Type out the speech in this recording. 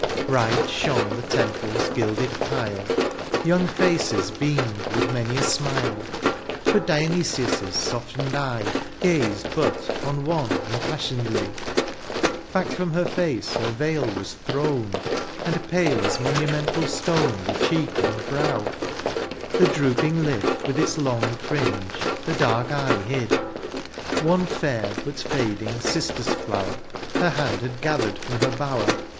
Bright shone the templets gilded pile^ Young faces beamed with many a smile^ But Dionysius' softened eye Gazed but on one impassionedly : Back from her face her veil was thrown. And pale as monmnental stone Were cheek and brow ; the drooping lid, With its long fringe, the dark eye hid ; One fair, but fading, cistus flower Her hand had gathered from her bower.